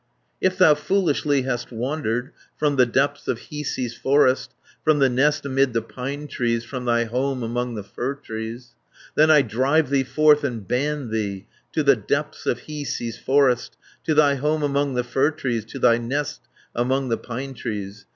"If thou foolishly hast wandered From the depths of Hiisi's forest, From the nest amid the pine trees, From thy home among the fir trees, Then I drive thee forth and ban thee, To the depths of Hiisi's forest, 390 To thy home among the fir trees, To thy nest among the pine trees.